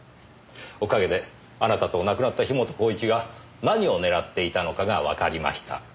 おかげであなたと亡くなった樋本晃一が何を狙っていたのかがわかりました。